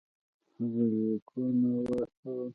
هغه لیکونه واستول.